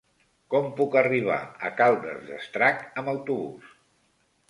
Com puc arribar a Caldes d'Estrac amb autobús?